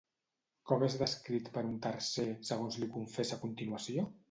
Com és descrit per un tercer, segons li confessa a continuació?